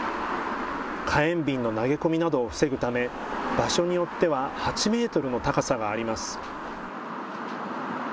火炎瓶の投げ込みなどを防ぐため、場所によっては８メートルの高さがあります。